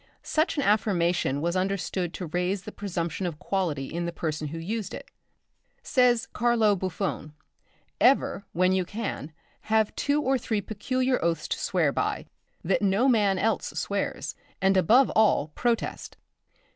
Such an affirmation was understood to raise the presumption of quality in the person who used it. Says Carlo Buffone, "Ever, when you can, have two or three peculiar oaths to swear by, that no man else swears, and above all protest."